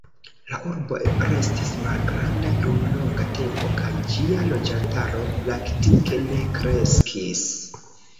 La urbo restis malgranda dum longa tempo kaj ĝia loĝantaro praktike ne kreskis.